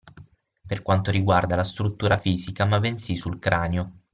Per quanto riguarda la struttura fisica ma bensì sul cranio.